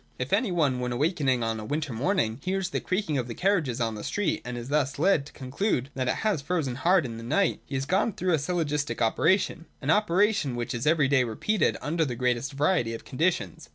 If any one, when awaking on a winter morning, hears the creaking of the carriages on the street, and is thus led to conclude that it has frozen hard in the night, he has gone through a syllogistic operation :— an operation which is every day repeated under the greatest variety of conditions.